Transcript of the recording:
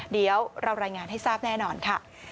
เดี๋ยวเรารายงานให้ทราบแน่นอนค่ะ